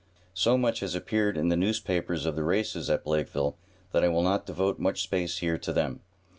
So much has appeared in the newspapers of the races at Blakeville that I will not devote much space here to them.